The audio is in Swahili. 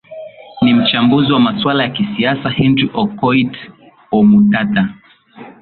ni mchambuzi wa maswala ya kisiasa henry okoit omutata